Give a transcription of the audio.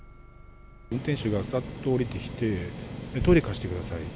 運転手がさっと降りてきて、トイレ貸してくださいって。